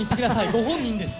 ご本人です。